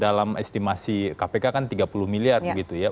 dalam estimasi kpk kan tiga puluh miliar begitu ya